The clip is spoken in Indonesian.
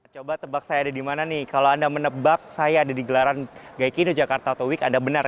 coba tebak saya ada di mana nih kalau anda menebak saya ada di gelaran gaikindo jakarta atau week ada benar